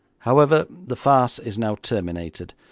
However, the farce is now terminated.